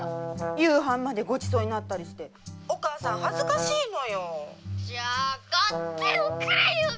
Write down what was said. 夕飯までごちそうになったりしてお母さんはずかしいのよ。じゃあ買っておくれよビデオ！